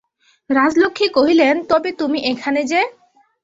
রাজলক্ষ্মী কহিলেন, তবে তুমি এখানে যে?